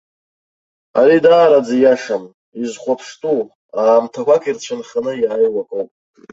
Ари даараӡа ииашам, изхәаԥштәу, аамҭақәак ирцәынханы иааиуа акоуп.